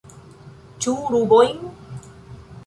Ĉu rubojn?